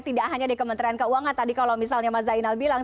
tidak hanya di kementerian keuangan tadi kalau misalnya mas zainal bilang